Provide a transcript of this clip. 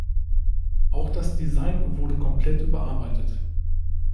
Auch das Design wurde komplett überarbeitet.